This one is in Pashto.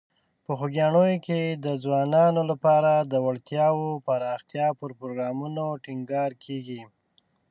په خوږیاڼي کې د ځوانانو لپاره د وړتیاوو پراختیا پر پروګرامونو ټینګار کیږي.